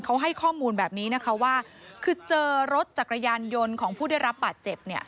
เขาให้ข้อมูลแบบนี้นะคะว่าคือเจอรถจักรยานยนต์ของผู้ได้รับบาดเจ็บเนี่ย